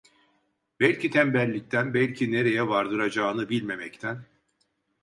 Belki tembellikten, belki nereye vardıracağını bilmemekten…